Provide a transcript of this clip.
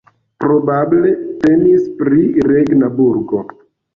Probable temis pri regna burgo.